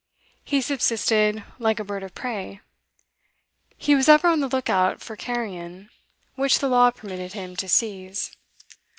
He subsisted like a bird of prey; he was ever on the look out for carrion which the law permitted him to seize.